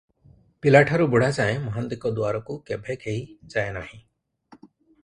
ପିଲାଠାରୁ ବୁଢ଼ାଯାଏ ମହାନ୍ତିଙ୍କ ଦୁଆରକୁ କେଭେ କେହି ଯାଏ ନାହିଁ ।